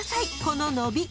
この伸び］